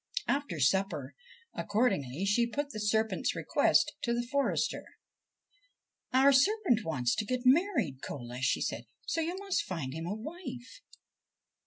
After supper, accordingly, she put the serpent's request to the forester. ' Our serpent wants to get married, Cola/ she said ;' so you must find him a wife.'